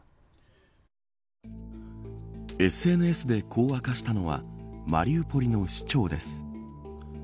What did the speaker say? ＳＮＳでこう明かしたのはマリウポリの市長です。